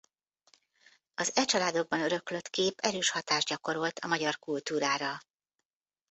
Az e családokban öröklött kép erős hatást gyakorolt a magyar kultúrára.